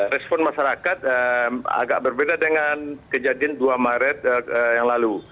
respon masyarakat agak berbeda dengan kejadian dua maret yang lalu